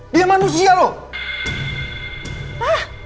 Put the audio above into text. dia manusia loh